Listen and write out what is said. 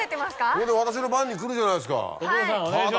ここで私の番にくるじゃないですか。